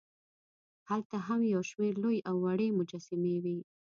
هلته هم یوشمېر لوې او وړې مجسمې وې.